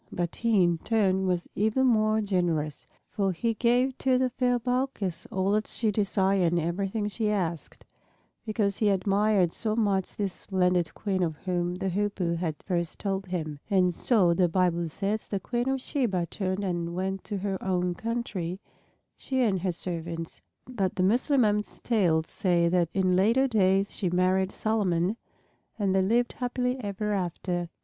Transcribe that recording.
But he in turn was even more generous. For he gave to the fair Balkis all that she desired and everything she asked, because he admired so much this splendid Queen of whom the Hoopoe had first told him. And so, the Bible says, the Queen of Sheba turned and went to her own country, she and her servants. But the Mussulmans' tales say that in later days she married Solomon and they lived happily ever after.